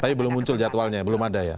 tapi belum muncul jadwalnya belum ada ya